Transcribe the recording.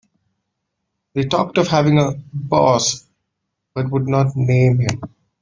They talked of having a "boss" but would not name him.